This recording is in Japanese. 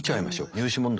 入試問題